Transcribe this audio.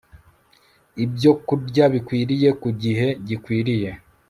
ibyokurya bikwiriye ku gihe gikwiriye